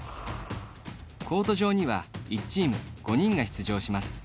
コート上には１チーム、５人が出場します。